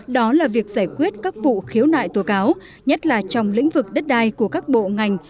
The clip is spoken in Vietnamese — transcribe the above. đó là việc giải quyết các vụ khiếu nại tố cáo nhất là trong lĩnh vực đất đai của các bộ ngành